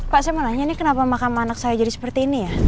pak saya mau nanya ini kenapa makam anak saya jadi seperti ini ya